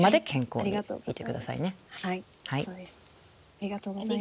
ありがとうございます。